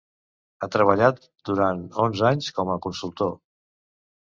Ha treballat durant onze anys com a consultor.